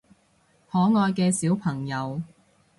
可愛嘅小朋友